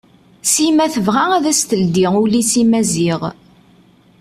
Sima tebɣa ad as-teldi ul-is i Maziɣ.